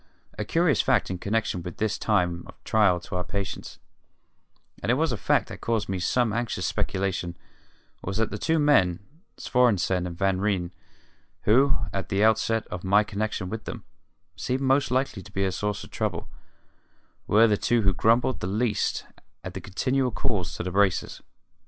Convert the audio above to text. A curious fact in connection with this time of trial to our patience and it was a fact that caused me some anxious speculation was that the two men, Svorenssen and Van Ryn, who, at the outset of my connection with them, seemed most likely to be a source of trouble, were the two who grumbled least at the continual calls to the braces.